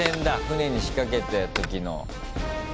船に仕掛けた時の。